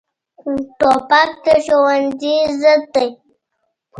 توپک د ښوونځي ضد دی.